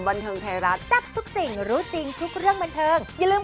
เพื่อแล้วนะว่าทำไมถึงครูโชลาธีเนี่ย